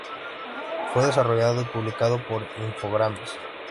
Fue desarrollado y publicado por Infogrames.